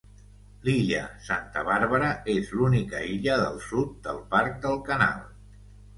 L'illa Santa Bàrbara és l'única illa del sud del Parc del Canal.